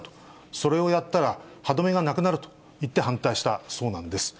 それをやったら、歯止めがなくなるといって反対したそうなんです。